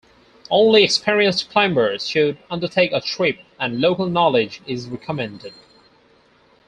Only experienced climbers should undertake a trip, and local knowledge is recommended.